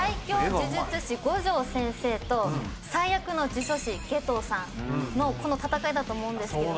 呪術師五条先生と最悪の呪詛師夏油さんのこの戦いだと思うんですけど。